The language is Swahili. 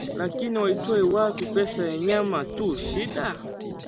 Lakini waitoe wapi? Pesa ya nyama tu shida